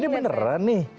ini beneran nih